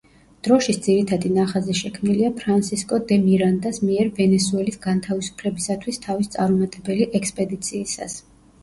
დროშის ძირითადი ნახაზი შექმნილია ფრანსისკო დე მირანდას მიერ ვენესუელის განთავისუფლებისათვის თავის წარუმატებელი ექსპედიციისას.